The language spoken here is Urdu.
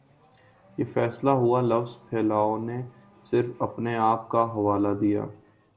یہ فیصلہ ہوا لفظ پھیلاؤ نے صرف اپنے آپ کا حوالہ دیا